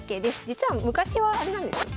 実は昔はあれなんですよ